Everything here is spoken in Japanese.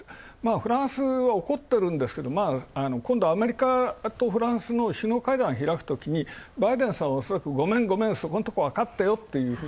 フランスは怒ってるんですが、今度、アメリカとフランスの首脳会談を開くときにバイデンさんはごめん、ごめんそこんとこわかってよと。